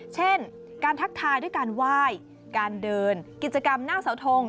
เช่นการทักทายด้วยการไหว้การเดินกิจกรรมหน้าเสาทง